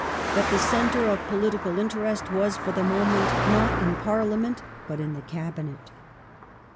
But the centre of political interest was, fori the moment, not in Parliament but in the Cabinet.